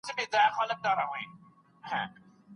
موږ د اوږده اتڼ لپاره ډوډۍ راوړې ده.